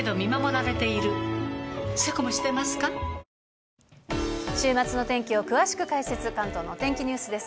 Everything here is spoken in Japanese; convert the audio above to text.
一方、週末の天気を詳しく解説、関東のお天気ニュースです。